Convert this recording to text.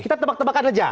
kita tebak tebakan saja